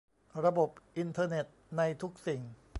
ระบบอินเทอร์เน็ตในทุกสิ่ง